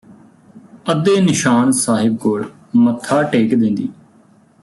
ਅੱਧੇ ਨਿਸ਼ਾਨ ਸਹਿਬ ਕੋਲ ਮੱਥਾਂ ਟੇਕ ਦਿੰਦੀ